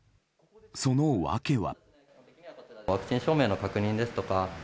その訳は。